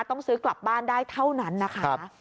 ต้องซื้อกลับบ้านได้เท่านั้นนะคะ